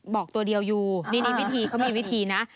บอกตัวเดียวอยู่นี่วิธีเขามีวิธีนะ